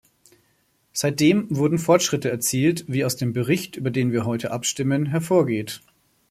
Seitdem wurden Fortschritte erzielt, wie aus dem Bericht, über den wir heute abstimmen, hervorgeht.